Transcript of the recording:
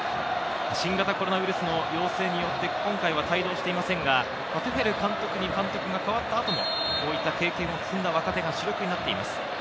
新型コロナウイルスの陽性によって今回は帯同していませんが、トゥヘル監督に監督が代わった後も、こういった経験を積んだ若手が主力になっています。